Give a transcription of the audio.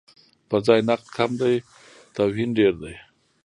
پرځای نقد کم دی، توهین ډېر دی.